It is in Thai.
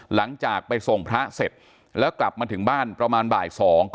หลังจากไปส่งพระเสร็จแล้วกลับมาถึงบ้านประมาณบ่าย๒